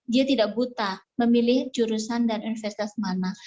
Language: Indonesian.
dia tidak buta memilih jurusan dan universitas mana